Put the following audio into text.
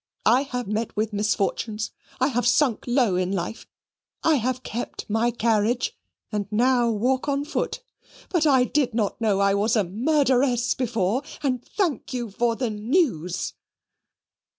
I have met with misfortunes: I have sunk low in life: I have kept my carriage, and now walk on foot: but I did not know I was a murderess before, and thank you for the NEWS."